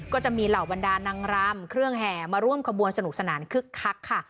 ก็จะมีเหล่าบรรดานางรำเครื่องแห่มาร่วมขบวนสนุกสนานคึกคักค่ะ